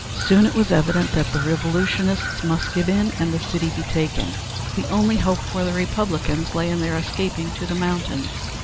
Soon it was evident that the revolutionists must give in and the city be taken. The only hope for the Republicans lay in their escaping to the mountains.